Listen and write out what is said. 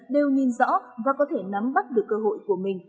đều nhìn rõ và có thể nắm bắt được cơ hội của mình